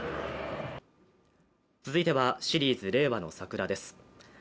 続いては、「シリーズ令和の桜」です。